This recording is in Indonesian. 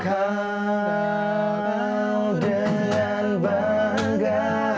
kau dengan bangga